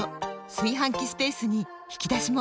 炊飯器スペースに引き出しも！